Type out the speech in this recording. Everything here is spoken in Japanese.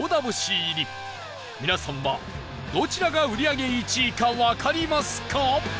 入り皆さんは、どちらが売り上げ１位かわかりますか？